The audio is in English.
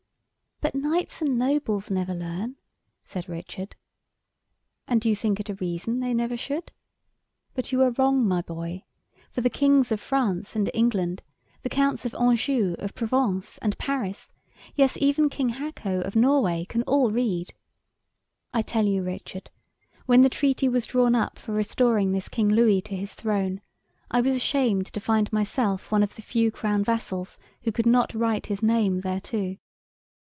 "But Knights and Nobles never learn," said Richard. "And do you think it a reason they never should? But you are wrong, my boy, for the Kings of France and England, the Counts of Anjou, of Provence, and Paris, yes, even King Hako of Norway, can all read." "I tell you, Richard, when the treaty was drawn up for restoring this King Louis to his throne, I was ashamed to find myself one of the few crown vassals who could not write his name thereto."